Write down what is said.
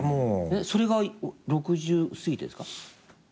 それが６０すぎてですか？